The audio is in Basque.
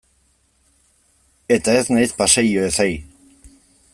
Eta ez naiz paseilloez ari.